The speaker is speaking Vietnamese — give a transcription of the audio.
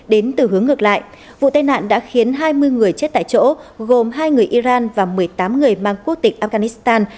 đến từ hướng ngược lại vụ tai nạn đã khiến hai mươi người chết tại chỗ gồm hai người iran và một mươi tám người mang quốc tịch afghanistan